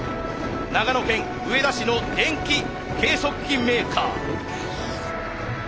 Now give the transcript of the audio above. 長野県上田市の電気計測器メーカー。